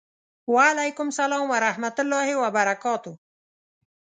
وعلیکم سلام ورحمة الله وبرکاته